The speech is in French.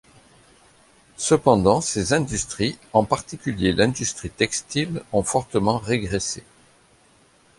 Cependant, ces industries, en particulier l'industrie textile, ont fortement régressé.